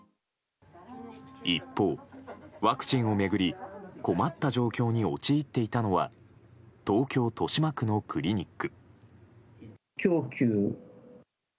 一方、ワクチンを巡り困った状況に陥っていたのは東京・豊島区のクリニック。